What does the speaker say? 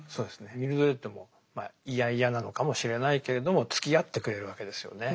ミルドレッドも嫌々なのかもしれないけれどもつきあってくれるわけですよね。